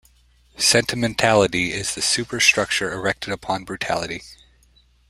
Sentimentality is the superstructure erected upon brutality.